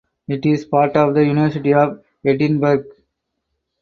It is part of the University of Edinburgh.